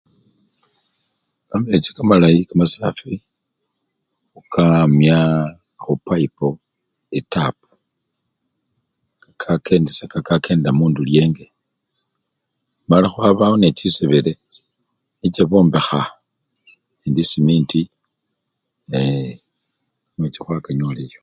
Kamechi kamalayi kamasafi khukamya khupayipo , etapu kakedisya! ka kendela mundulyenge mala khwabawo nechisebele nicho bombekha nende esementi ee! kamechi khwakanyola eyo.